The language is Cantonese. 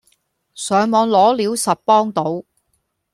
上網攞料實幫到